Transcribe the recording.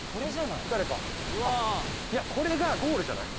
いやこれがゴールじゃない？